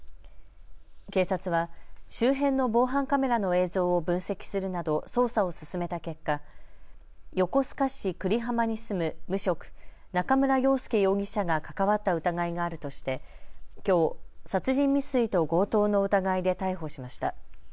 警察は周辺の防犯カメラの映像を分析するなど捜査を進めた結果、横須賀市久里浜に住む無職、中村鷹哉容疑者が関わった疑いがあるとしてきょう、殺人未遂と強盗の疑いで逮捕しました。